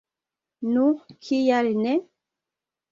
Nu, kial ne?